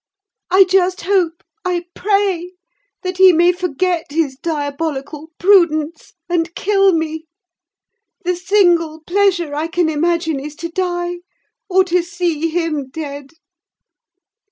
I just hope, I pray, that he may forget his diabolical prudence and kill me! The single pleasure I can imagine is to die, or to see him dead!"